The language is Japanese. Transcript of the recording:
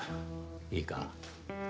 いいか。